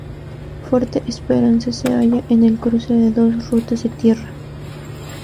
Fuerte Esperanza se halla en el cruce de dos rutas de tierra.